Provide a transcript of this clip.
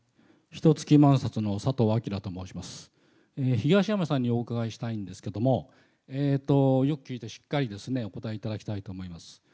東山さんにお伺いしたいんですけれども、よく聞いてしっかりお答えいただきたいと思います。